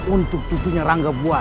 untuk cucunya rangga buat